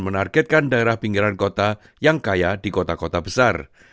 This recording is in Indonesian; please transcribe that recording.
menargetkan daerah pinggiran kota yang kaya di kota kota besar